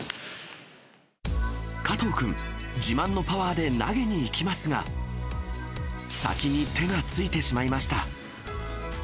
加藤君、自慢のパワーで投げにいきますが、先に手がついてしまいました。